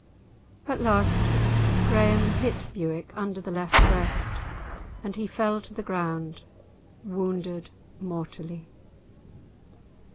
At last Graeme hit Bewick under the left breast, and he fell to the ground wounded mortally.